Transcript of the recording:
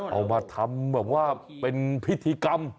เอามาทำแบบว่าเป็นพิธีกรรม